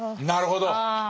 なるほど。